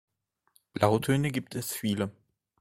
Blautöne gibt es viele.